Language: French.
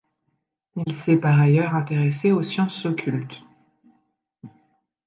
Il s'est par ailleurs intéressé aux sciences occultes.